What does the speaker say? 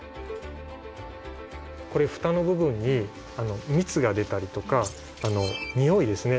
これふたの部分に蜜が出たりとか匂いですね